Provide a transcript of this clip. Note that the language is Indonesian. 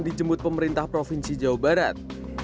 dijemput pemerintah provinsi jawa barat